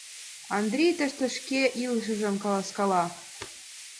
Андрий тыште шке илышыжым каласкала: